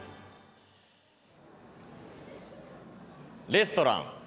「レストラン」。